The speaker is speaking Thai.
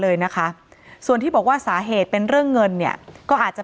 เลยนะคะส่วนที่บอกว่าสาเหตุเป็นเรื่องเงินเนี่ยก็อาจจะ